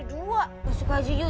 empurang zest tapi peng billuh